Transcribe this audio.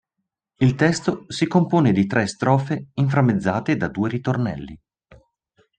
Il testo si compone di tre strofe inframmezzate da due ritornelli.